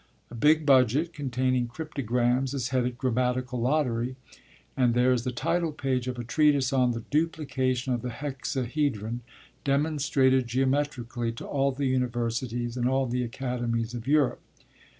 A big budget, containing cryptograms, is headed 'Grammatical Lottery'; and there is the title page of a treatise on The Duplication of the Hexahedron, demonstrated geometrically to all the Universities and all the Academies of Europe.